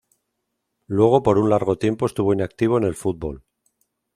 Luego por un largo tiempo estuvo inactivo en el fútbol.